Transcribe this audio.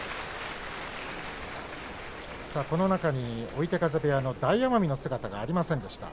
この中に追手風部屋の大奄美の姿がありませんでした。